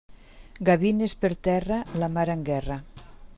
Gavines per terra, la mar en guerra.